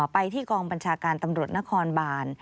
ไปที่กองบัญชาการตำรวจนครบาน